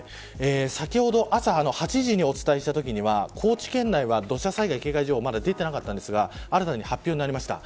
先ほど朝８時にお伝えしたときには高知県内は土砂災害警戒情報は出ていなかったんですが新たに発表になりました。